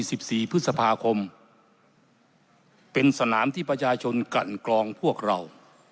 สิบสี่พฤษภาคมเป็นสนามที่ประชาชนกันกรองพวกเรา